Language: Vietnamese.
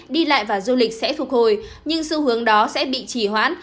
đi lại và du lịch sẽ phục hồi nhưng xu hướng đó sẽ bị chỉ hoãn